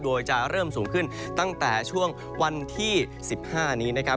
โดยจะเริ่มสูงขึ้นตั้งแต่ช่วงวันที่๑๕นี้นะครับ